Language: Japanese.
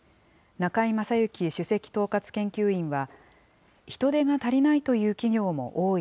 中井雅之主席統括研究員は、人手が足りないという企業も多い。